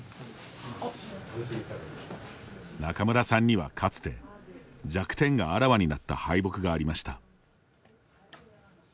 仲邑さんにはかつて、弱点があらわになった敗北がありました。